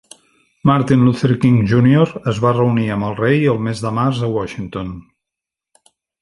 Martin Luther King Junior es va reunir amb el rei el mes de març a Washington.